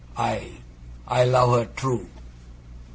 I I love her true.